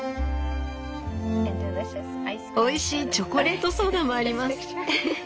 「おいしいチョコレートソーダもあります」